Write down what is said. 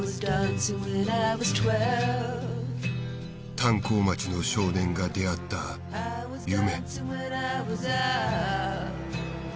炭鉱町の少年が出会った夢。